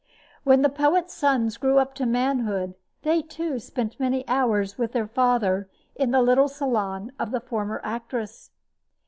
When the poet's sons grew up to manhood, they, too, spent many hours with their father in the little salon of the former actress.